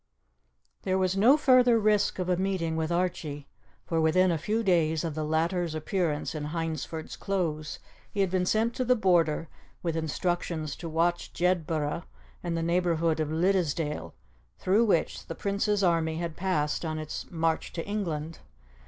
There was no further risk of a meeting with Archie, for within a few days of the latter's appearance in Hyndford's Close he had been sent to the Border with instructions to watch Jedburgh and the neighbourhood of Liddesdale, through which the Prince's army had passed on its march to England.